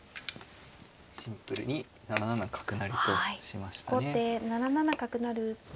シンプルに７七角成としましたね。